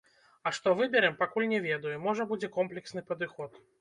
А што выбярэм, пакуль не ведаю, можа, будзе комплексны падыход.